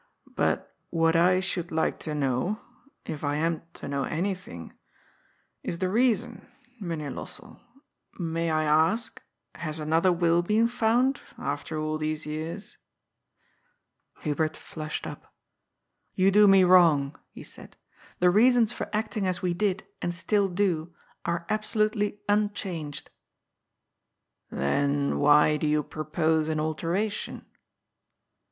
375 " but what I should like to know — if I am to know any thing — is the reason, Mynheer Lossell. May I ask, has another will been found, after all these years? " Hubert flushed up. "You do me wrong," he said. " The reasons for acting as we did, and still do, are ab solutely unchanged." " Then why do you propose an alteration